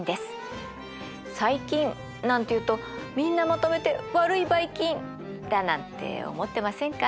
「細菌」なんて言うとみんなまとめて悪いばい菌だなんて思ってませんか？